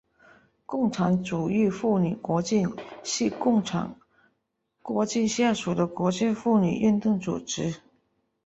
共产主义妇女国际是共产国际下属的国际妇女运动组织。